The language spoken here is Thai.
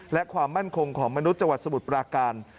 และความมั่นคงของมนุษย์จังหวัดสมุทรปราการ